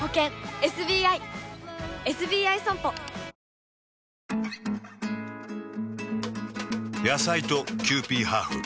うまそう野菜とキユーピーハーフ。